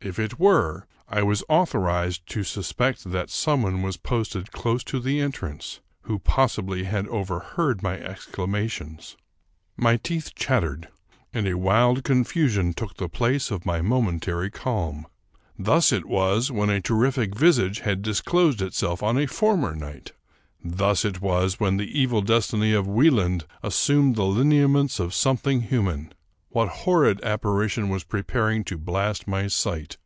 If it were, I was authorized to suspect that some one was posted close to the entrance, who possibly had overheard my exclamations. My teeth chattered, and a wild confusion took the place of my momentary calm. Thus it was when a terrific visage had disclosed itself on a former night. Thus it was when the evil destiny of Wieland assumed the lineaments of some thing human. What horrid apparition was preparing to blast my sight?